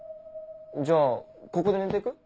じゃあここで寝てく？